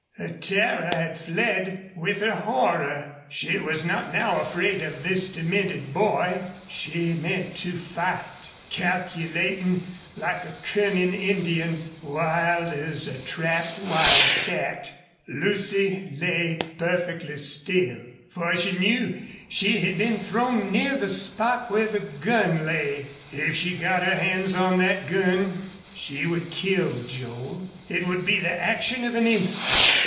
Her terror had fled with her horror. She was not now afraid of this demented boy. She meant to fight, calculating like a cunning Indian, wild as a trapped wildcat. Lucy lay perfectly still, for she knew she had been thrown near the spot where the gun lay. If she got her hands on that gun she would kill Joel. It would be the action of an instant.